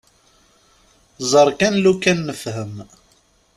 Ẓer kan lukan nefhem.